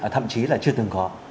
thậm chí là chưa từng có